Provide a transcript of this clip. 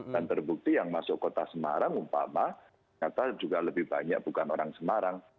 dan terbukti yang masuk kota semarang umpama nanti juga lebih banyak bukan orang semarang